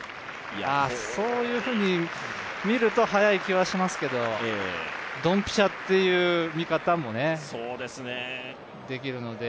そういうふうに見ると早い気はしますけれども、ドンピシャという見方もねできるので。